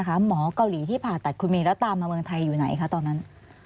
หมอเกาหลีที่ผ่าตัดคุณเมย์แล้วตามมาเมืองไทยอยู่ไหนคะตอนนั้น